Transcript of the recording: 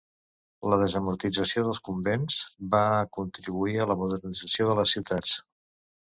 La desamortització dels convents va contribuir a la modernització de les ciutats.